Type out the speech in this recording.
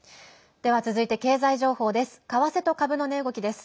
では、続いて経済情報です。